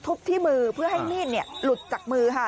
ที่มือเพื่อให้มีดหลุดจากมือค่ะ